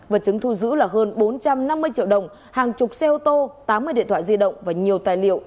vật chứng thu giữ là hơn bốn trăm năm mươi triệu đồng hàng chục xe ô tô tám mươi điện thoại di động và nhiều tài liệu